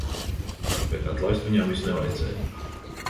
Bet atlaist viņam vis nevajadzēja.